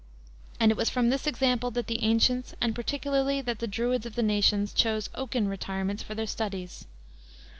And it was from this example that the ancients and particularly that the Druids of the nations, chose oaken retirements for their studies.